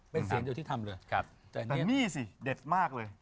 เป็นเสียนเดียวที่ทำเลย